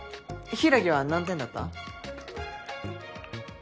柊は何点だった？